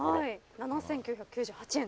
７，９９８円と。